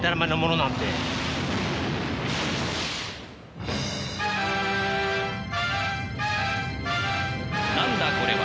なんだこれは！